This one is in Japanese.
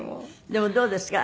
でもどうですか？